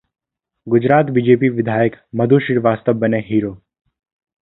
Gujarat BJP विधायक मधु श्रीवास्तव बने hero